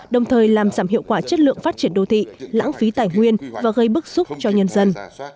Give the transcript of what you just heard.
đồng thời làm giảm hiệu quả chất lượng phát triển đô thị lãng phí tài nguyên và gây bức xúc cho nhân dân